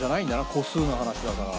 個数の話だから。